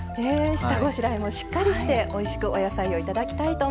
下ごしらえもしっかりしておいしくお野菜を頂きたいと思います。